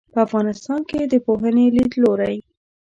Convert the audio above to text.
په افغانستان کې د پوهنې لیدلورى